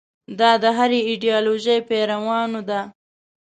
دا د هرې ایدیالوژۍ پیروانو ده.